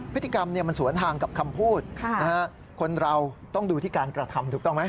พฤติกรรมมันสวนทางกับคำพูดคนเราต้องดูที่การกระทำถูกต้องไหม